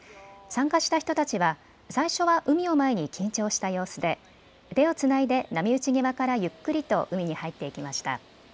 参加した人たちは最初は海を前に緊張した様子で手をつないで波打ち際からゆっくりと海に入っていきました。